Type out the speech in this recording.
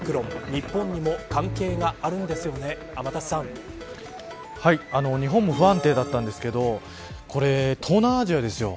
日本にも関係があるんですよね日本も不安定だったんですけどこれ、東南アジアですよ。